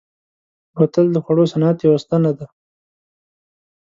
بوتل د خوړو صنعت یوه ستنه ده.